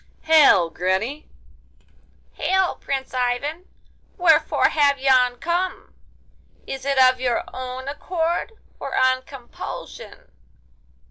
'Hail, granny!' 'Hail, Prince Ivan! wherefore have you come? Is it of your own accord, or on compulsion?